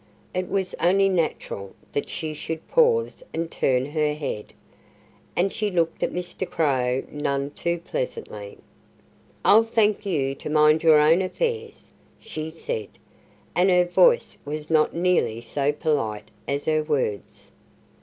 It was only natural that she should pause and turn her head. And she looked at Mr. Crow none too pleasantly. "I'll thank you to mind your own affairs," she said, and her voice was not nearly so polite as her words.